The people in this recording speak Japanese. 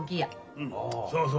うんそうそう。